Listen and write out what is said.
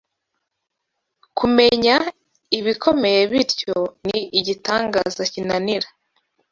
Kumenya ibikomeye bityo, ni igitangaza kinanira